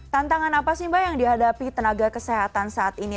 tantangan apa sih mbak yang dihadapi tenaga kesehatan saat ini